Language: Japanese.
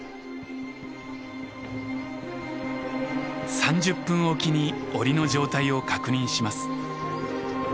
３０分おきに檻の状態を確認します。